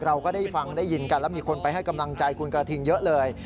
เราก็ได้ฟังได้ยินกันแล้วมีคนไปให้กำลังใจคุณกระทิงเยอะเลย